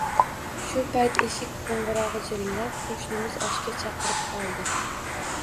Shu payt eshik qo`ng`irog`i jiringlab, qo`shnimiz oshga chaqirib qoldi